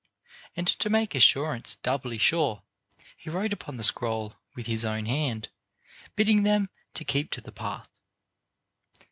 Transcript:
And to make assurance doubly sure he wrote upon the scroll with his own hand, bidding them to keep to the path.